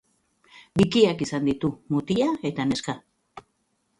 Bikiak izan ditu, mutila eta neska.